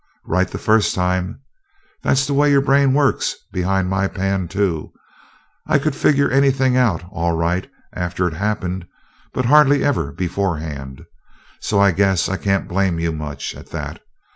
"Right the first time. That's the way your brain works behind my pan, too. I could figure anything out all right after it happened, but hardly ever beforehand so I guess I can't blame you much, at that.